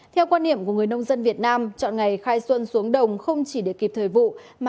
theo quan điểm của người nông dân việt nam chọn ngày khai xuân xuống đồng không chỉ để kịp thời vụ mà